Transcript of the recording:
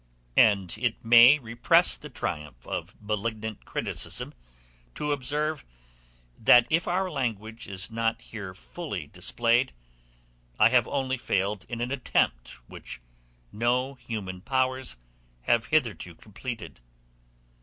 It may repress the triumph of malignant criticism to observe, that if our language is not here fully displayed, I have only failed in an attempt which no human powers have hitherto completed.